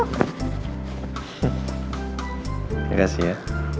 terima kasih ya